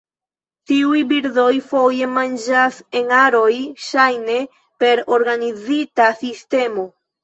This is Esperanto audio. Tiuj birdoj foje manĝas en aroj, ŝajne per organizita sistemo.